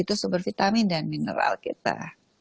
itu sumber vitamin dan mineral kita